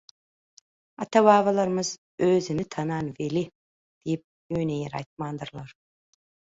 Ata-babalarymyz "özüni tanan weli" diýip ýöne ýere aýtmandyrlar.